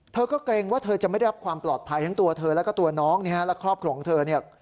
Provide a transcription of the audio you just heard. เธอก็เกรงว่าเธอจะไม่ได้รับความปลอดภัยทั้งตัวเธอและตัวน้องและครอบครองเธอ